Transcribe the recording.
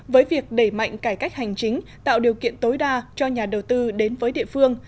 với việc đẩy mạnh cải cách hành chính tạo điều kiện tối đa cho nhà đầu tư đến với địa phương